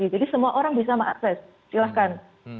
semua orang bisa mengakses silahkan